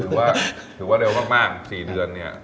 ถือว่าถือว่าเร็วมาก๔เดือนเนี่ย